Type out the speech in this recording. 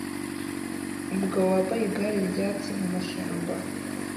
Umugabo wambaye igare ryatsi mumashyamba